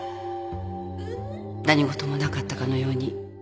何事もなかったかのように。